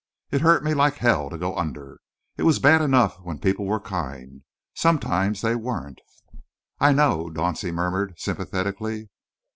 It hurt me like hell to go under. It was bad enough when people were kind. Sometimes they weren't." "I know," Dauncey murmured sympathetically.